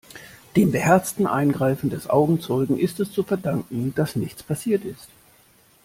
Dem beherzten Eingreifen des Augenzeugen ist es zu verdanken, dass nichts passiert ist.